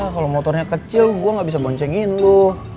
kalau motornya kecil gue gak bisa boncengin lu